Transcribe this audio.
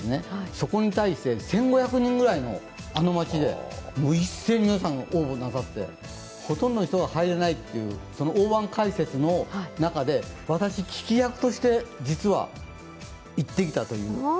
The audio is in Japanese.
そこに対して１５００人くらいの、あの町で一斉に皆さんが応募なさって、ほとんどの人が入れないという、大盤解説の中で、私、聞き役として実は行ってきたという。